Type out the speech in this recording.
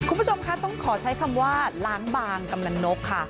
คุณผู้ชมคะต้องขอใช้คำว่าล้างบางกำนันนกค่ะ